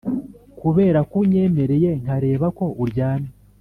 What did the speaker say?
kuberako unyemereye nkareba ko uryamye.